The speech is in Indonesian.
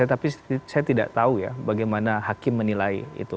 tapi saya tidak tahu ya bagaimana hakim menilai itu